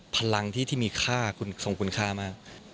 พลังที่ที่มีค่ารุมคุณค่ามาก